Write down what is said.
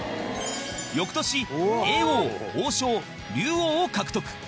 翌年叡王、王将、竜王を獲得